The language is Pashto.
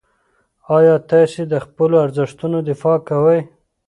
آیا تاسې د خپلو ارزښتونو دفاع کوئ؟